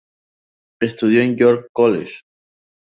Estudió en "York College".